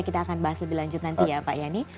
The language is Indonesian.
kita akan bahas lebih lanjut nanti ya pak yani